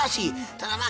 ただまあ